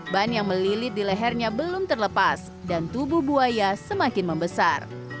ban yang melilit di lehernya belum terlepas dan tubuh buaya semakin membesar